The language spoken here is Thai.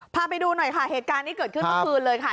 พาไปดูหน่อยค่ะเหตุการณ์นี้เกิดขึ้นเมื่อคืนเลยค่ะ